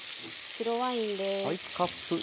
白ワインです。